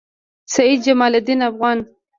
سعید جمالدین افغان